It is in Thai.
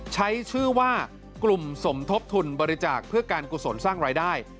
ใช้ชื่อว่ากลุ่มสมทบทุนบริจาคเพื่อการกุศลสร้างรายได้